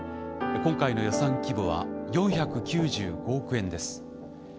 今回の予算規模は４９５億円です。